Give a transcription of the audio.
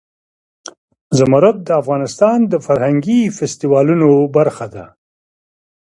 زمرد د افغانستان د فرهنګي فستیوالونو برخه ده.